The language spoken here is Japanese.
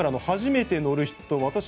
初めて乗るとき